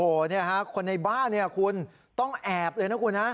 โอ้โฮคนในบ้านคุณต้องแอบเลยนะคุณ